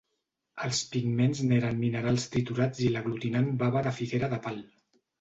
Els pigments n'eren minerals triturats i l'aglutinant bava de figuera de pal.